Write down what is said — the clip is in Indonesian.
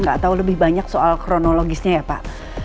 nggak tahu lebih banyak soal kronologisnya ya pak